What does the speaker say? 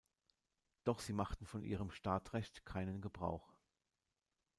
Doch sie machten von ihrem Startrecht keinen Gebrauch.